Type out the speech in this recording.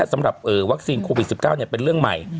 สำหรับวัคซีนโควิด๑๙เป็นเรื่องใหม่